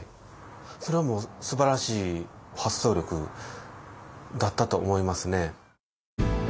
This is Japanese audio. それはもうすばらしい発想力だったと思いますね。